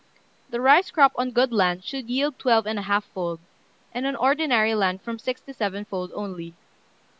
The rice crop on good land should yield twelve and a half fold, and on ordinary land from six to seven fold only.